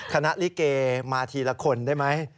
ลิเกมาทีละคนได้ไหม